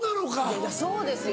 いやいやそうですよ。